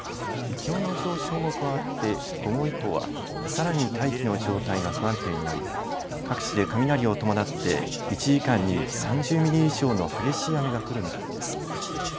気温の上昇も加わって午後以降はさらに大気の状態が不安定になり、各地で雷を伴って１時間に３０ミリ以上の激しい雨が降る見込みです。